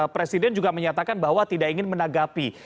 presiden juga menyatakan bahwa tidak ingin menanggapi